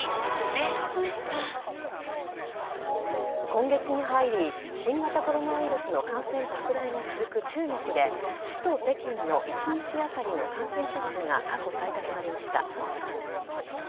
今月に入り新型コロナウイルスの感染拡大が続く中国で首都・北京の一日当たりの感染者数が過去最多となりました。